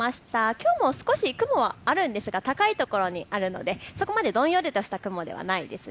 きょうも少し雲はあるんですが高いところにあるのでそこまでどんよりとした雲ではないです。